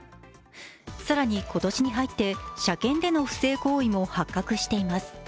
更に今年に入って車検での不正行為も発覚しています。